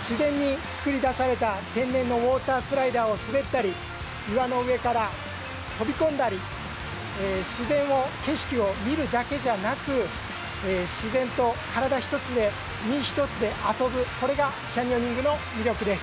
自然に作り出された天然のウォータースライダーを滑ったり岩の上から飛び込んだり、自然を、景色を見るだけじゃなく自然と体一つで、身一つで遊ぶ、これがキャニオニングの魅力です。